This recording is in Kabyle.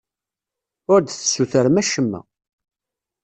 Ur d-tessutrem acemma.